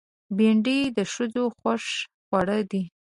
بېنډۍ د ښځو خوښ خوړ دی